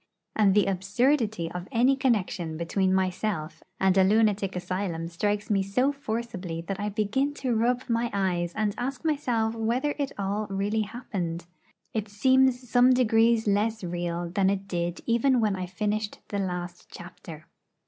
And the absurdity of any connection between myself and a lunatic asylum strikes me so forcibly that I begin to rub my eyes and ask myself whether it all really happened. It seems some degrees less real than it did even when I finished the last chapter.